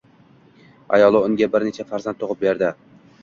Ayoli unga bir necha farzand tugʻib berdi